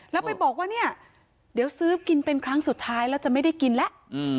แล้วไปบอกว่าเนี่ยเดี๋ยวซื้อกินเป็นครั้งสุดท้ายแล้วจะไม่ได้กินแล้ว